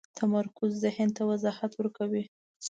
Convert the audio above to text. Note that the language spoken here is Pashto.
تمرکز ذهن ته وضاحت ورکوي.